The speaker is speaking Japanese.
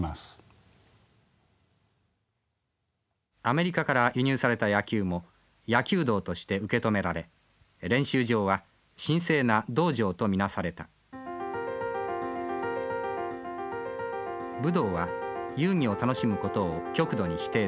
アメリカから輸入された野球も野球道として受け止められ練習場は神聖な道場と見なされた武道は遊技を楽しむことを極度に否定する。